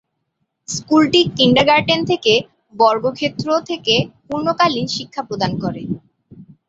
স্কুলটি কিন্ডারগার্টেন থেকে বর্গক্ষেত্র থেকে পূর্ণকালীন শিক্ষা প্রদান করে।